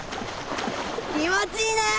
気持ちいいねえ！